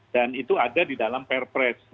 dan itu ada di dalam perpres